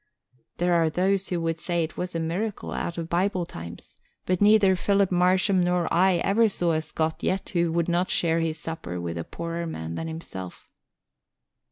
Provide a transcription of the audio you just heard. There are those who would say it was a miracle out of Bible times, but neither Philip Marsham nor I ever saw a Scot yet who would not share his supper with a poorer man than himself.